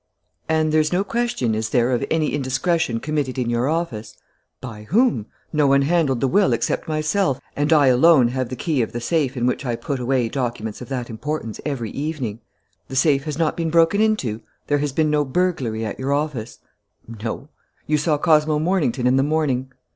"And there's no question, is there, of any indiscretion committed in your office?" "By whom? No one handled the will except myself; and I alone have the key of the safe in which I put away documents of that importance every evening." "The safe has not been broken into? There has been no burglary at your office?" "No." "You saw Cosmo Mornington in the morning?"